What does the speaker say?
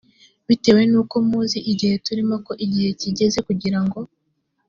bitewe n uko muzi igihe turimo ko igihe kigeze kugira ngo